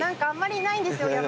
あんまりいないんですよ